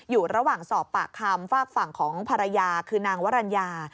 อยู่ระหว่างสอบปากคำฝากฝั่งของภรรยาคือนางวรรณญา